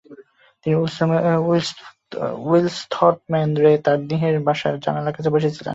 তিনি উল্সথর্প ম্যানরে তার নিহের বাসার জানালার কাছে বসে ছিলেন।